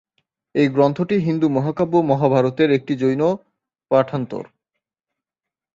এই গ্রন্থটি হিন্দু মহাকাব্য মহাভারতের একটি জৈন পাঠান্তর।